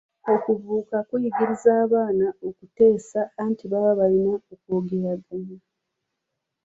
Okubuuka kuyigiriza abaana okuteesa anti baba balina okwogeraganya.